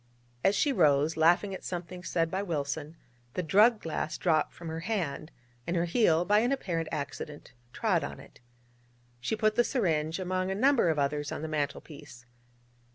As she rose, laughing at something said by Wilson, the drug glass dropped from her hand, and her heel, by an apparent accident, trod on it. She put the syringe among a number of others on the mantel piece.